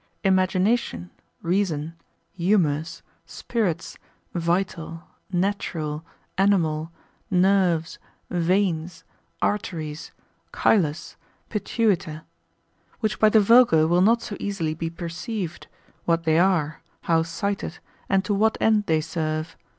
imagination, reason, humours, spirits, vital, natural, animal, nerves, veins, arteries, chylus, pituita; which by the vulgar will not so easily be perceived, what they are, how cited, and to what end they serve.